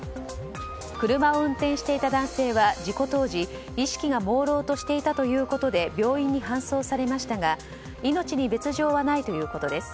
車を運転していた男性は事故当時意識がもうろうとしていたということで病院に搬送されましたが命に別条はないということです。